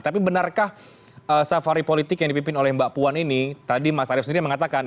tapi benarkah safari politik yang dipimpin oleh mbak puan ini tadi mas arief sendiri mengatakan